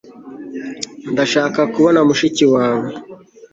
ndashaka kubona mushiki wawe